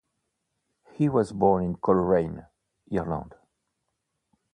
He was born in Coleraine, Ireland.